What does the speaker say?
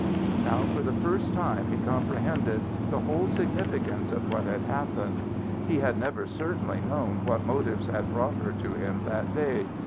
Now for the first time he comprehended the whole significance of what had happened. He had never certainly known what motive had brought her to him that day.